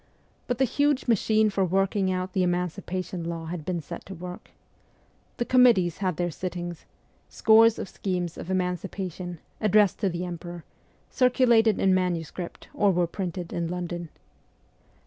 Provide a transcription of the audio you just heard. But the huge machine for working out the emancipation law had been set to work. The committees had their sittings ; scores of schemes of emancipation, addressed to the emperor, circulated in manuscript or were printed in London.